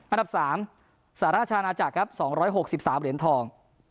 อันดับ๓สหราชอาณาจักรครับ๒๖๓เหรียญทอง